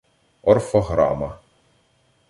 Орфограма